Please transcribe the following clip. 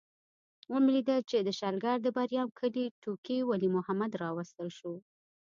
ومې لیدل چې د شلګر د بریام کلي ټوکي ولي محمد راوستل شو.